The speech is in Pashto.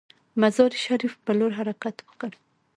مزار شریف پر لور حرکت وکړ.